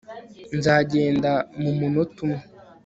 nzagenda mumunota umwe